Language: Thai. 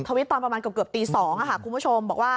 ตอนประมาณเกือบตี๒ค่ะคุณผู้ชมบอกว่า